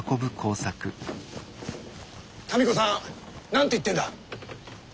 民子さん何て言ってんだ？